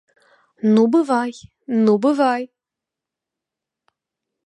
Ну бывай, ну бывай!